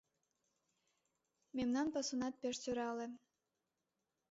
Мемнан пасунат пеш сӧрале